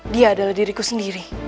dia adalah diriku sendiri